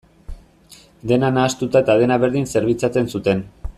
Dena nahastuta eta dena berdin zerbitzatzen zuten.